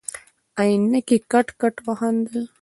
عينکي کټ کټ وخندل.